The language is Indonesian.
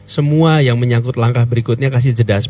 semua yang menyangkut langkah berikutnya kasih jedas